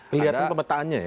kelihatan pemetaannya ya